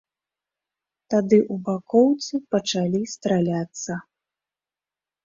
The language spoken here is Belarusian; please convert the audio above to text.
Тады ў бакоўцы пачалі страляцца.